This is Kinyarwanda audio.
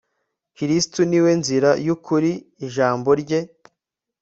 kristu ni we nzira y'ukuri, ijambo rye